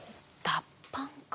脱藩か。